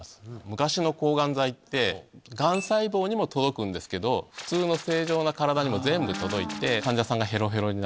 昔の抗ガン剤ってガン細胞にも届くんですけど普通の正常な体にも全部届いて患者さんがヘロヘロに。